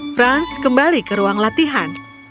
franz kembali ke ruang latihan